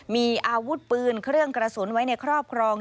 มีอาวุธปืนเครื่องกระสุนไว้ในครอบครอง